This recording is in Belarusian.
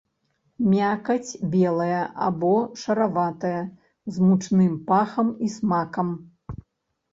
Мякаць белая або шараватая з мучным пахам і смакам.